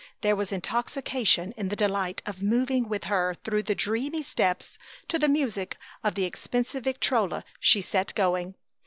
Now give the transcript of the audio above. There was intoxication in the delight of moving with her through the dreamy steps to the music of the expensive Victrola she set going.